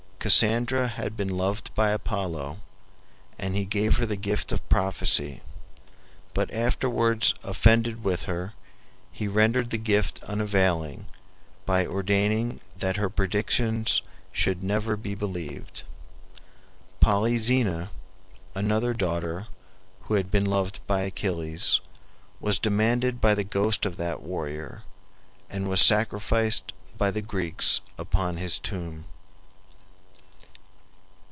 Cassandra had been loved by Apollo, and he gave her the gift of prophecy; but afterwards offended with her, he rendered the gift unavailing by ordaining that her predictions should never be believed. Polyxena, another daughter, who had been loved by Achilles, was demanded by the ghost of that warrior, and was sacrificed by the Greeks upon his tomb.